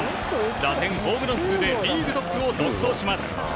打点、ホームラン数でリーグトップを独走します。